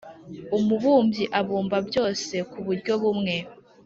Umubumbyi abibumba byose ku buryo bumwe,